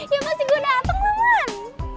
ya pasti gue dateng man